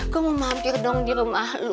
gue mau mampir dong di rumah lu